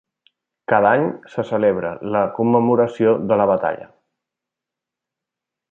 Cada any se celebra la commemoració de la batalla.